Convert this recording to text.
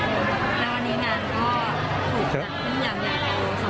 แล้ววันนี้งานก็ถูกจัดขึ้นอย่างใหญ่ของเขา